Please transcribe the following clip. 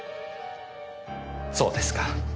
そうですか。